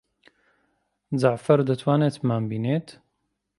جەعفەر دەتوانێت بمانبینێت؟